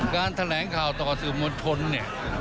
การแถลงข่าวต่อสื่อมวลชนเนี่ย